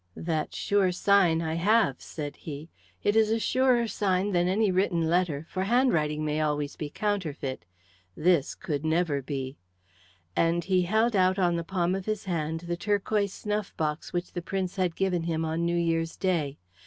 "That sure sign I have," said he. "It is a surer sign than any written letter; for handwriting may always be counterfeit. This could never be," and he held out on the palm of his hand the turquoise snuff box which the Prince had given him on New Year's day.